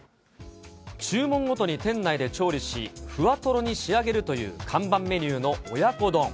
注文ごとに店内で調理し、ふわとろに仕上げるという看板メニューの親子丼。